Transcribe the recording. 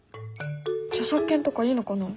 著作権とかいいのかな？